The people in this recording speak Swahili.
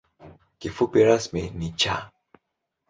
Kifupi rasmi ni ‘Cha’.